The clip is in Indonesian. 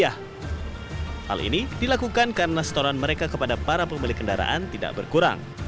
hal ini dilakukan karena setoran mereka kepada para pemilik kendaraan tidak berkurang